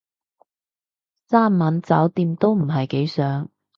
三晚酒店都唔係幾想